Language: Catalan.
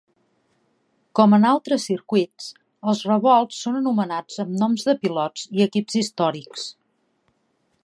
Com en altres circuits, els revolts són anomenats amb noms de pilots i equips històrics.